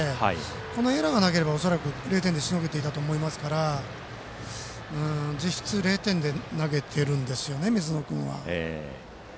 このエラーがなければ恐らく０点でしのげていたと思いますから実質０点で投げているんですよね。